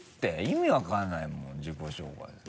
意味分からないもん自己紹介で。